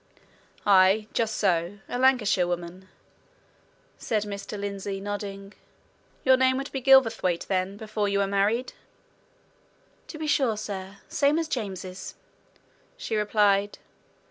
"Aye just so a Lancashire woman," said Mr. Lindsey, nodding. "Your name would be Gilverthwaite, then, before you were married?" "To be sure, sir same as James's," she replied.